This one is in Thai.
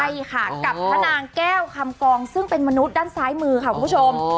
ใช่ค่ะกับพระนางแก้วคำกองซึ่งเป็นมนุษย์ด้านซ้ายมือค่ะคุณผู้ชม